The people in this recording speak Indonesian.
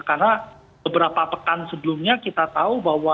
karena beberapa pekan sebelumnya kita tahu bahwa